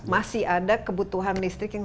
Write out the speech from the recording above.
masih ada kebutuhan listrik yang